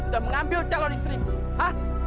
dan mengambil calon istriku